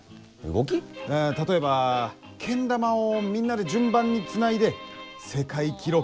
あ例えばけん玉をみんなで順番につないで世界記録を目指すとか。